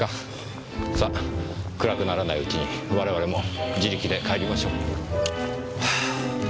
さあ暗くならないうちに我々も自力で帰りましょう。